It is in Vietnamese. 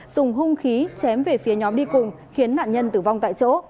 dùng hung khí chém về phía nhóm đi cùng khiến nạn nhân tử vong tại chỗ